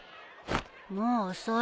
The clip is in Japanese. もう遅いよ。